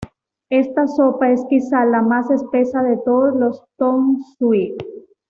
Esta sopa es quizá la más espesa de todos los "tong sui".